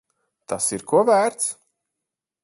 Tas ir ko vērts.